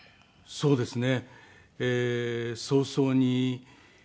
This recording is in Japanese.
そうですね。